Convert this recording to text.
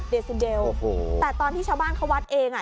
๘๙๗เดซิเดลแต่ตอนที่ชาวบ้านเขาวัดเอง